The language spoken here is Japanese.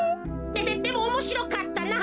でででもおもしろかったな。